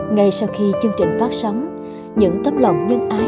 ngay sau khi chương trình phát sóng những tấm lòng nhân ái đã tìm thấy